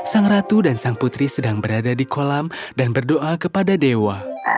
sang ratu dan sang putri sedang berada di kolam dan berdoa kepada dewa